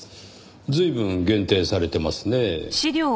随分限定されてますねぇ。